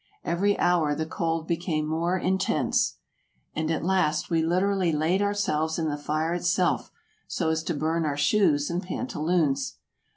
Every hour the cold became more intense, and at last we literally laid ourselves in the fire itself, so as to burn our shoes and pantaloons.